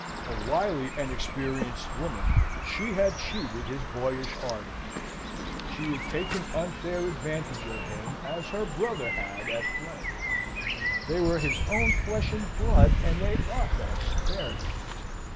A wily and experienced woman, she had cheated his boyish ardour. She had taken unfair advantage of him, as her brother had at play. They were his own flesh and blood, and they ought to have spared him.